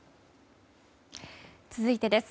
続いてです。